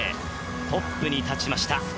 トップに立ちました。